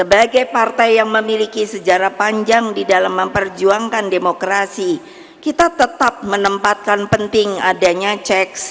bahwa demokrasi memang memerlukan kontrol dan penyeimbang